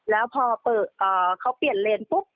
แล้วพอเขาเปลี่ยนเลนปุ๊บ